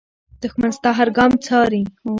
دښمن ستا هر ګام څاري